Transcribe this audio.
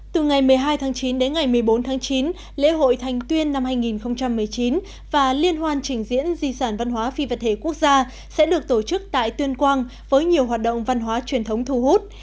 từ ngày một mươi hai tháng chín đến ngày một mươi bốn tháng chín lễ hội thành tuyên năm hai nghìn một mươi chín và liên hoan trình diễn di sản văn hóa phi vật thể quốc gia sẽ được tổ chức tại tuyên quang với nhiều hoạt động văn hóa truyền thống thu hút